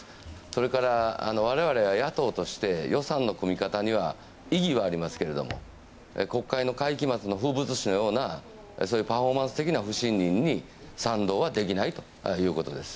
それから我々は野党として予算の組み方には意義はありますけれども国会の会期末の風物詩のようなそういうパフォーマンス的な不信任に賛同はできないということです。